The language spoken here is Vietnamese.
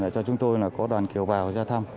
cho chúng tôi có đoàn kiều bào ra thăm